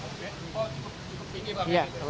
oh cukup tinggi bang